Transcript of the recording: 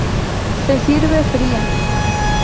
Se sirve fría.